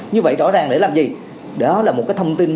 như vậy rõ ràng để làm gì đó là một cái thông tin